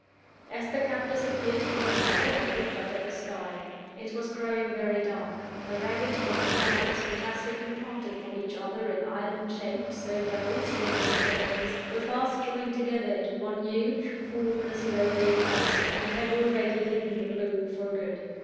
As the cab disappeared from my sight, I looked up at the sky. It was growing very dark. The ragged black clouds, fantastically parted from each other in island shapes over the whole surface of the heavens, were fast drawing together into one huge, formless, lowering mass, and had already hidden the moon for, good.